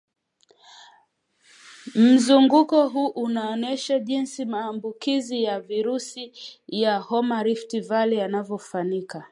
Mzunguko huu unaoonyesha jinsi maambukizi ya virusi vya homa ya Rift Valley yanavyofanyika